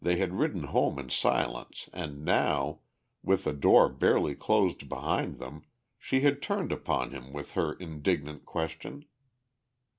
They had ridden home in silence and now, with the door barely closed behind them, she had turned upon him with her indignant question.